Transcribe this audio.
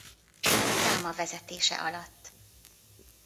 Khama vezetése alatt.